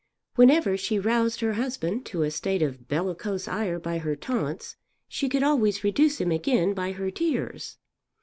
Whenever she roused her husband to a state of bellicose ire by her taunts she could always reduce him again by her tears.